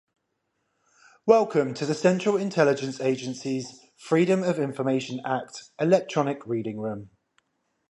Welcome to the Central Intelligence Agency's Freedom of Information Act Electronic Reading Room.